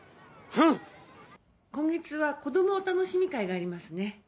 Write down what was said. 今月はこどもお楽しみ会がありますね。